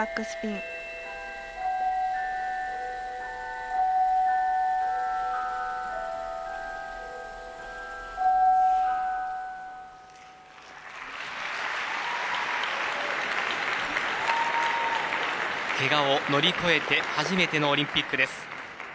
けがを乗り越えて初めてのオリンピックです。